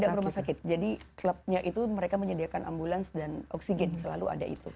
dalam rumah sakit jadi klubnya itu mereka menyediakan ambulans dan oksigen selalu ada itu